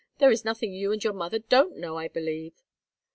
There is nothing you and your mother don't know, I believe."